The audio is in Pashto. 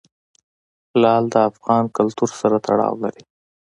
لعل د افغان کلتور سره تړاو لري.